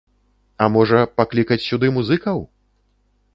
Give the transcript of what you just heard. А можа, паклікаць сюды музыкаў?